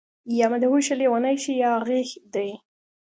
يا مدهوشه، لیونۍ شي يا ياغي دي